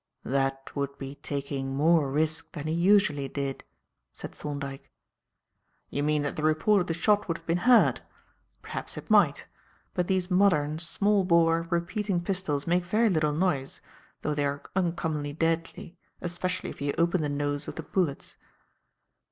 "That would be taking more risk than he usually did," said Thorndyke. "You mean that the report of the shot would have been heard. Perhaps it might. But these modern, small bore, repeating pistols make very little noise, though they are uncommonly deadly, especially if you open the nose of the bullets."